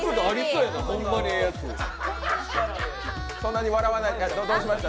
そんなに笑わないで、どうしました？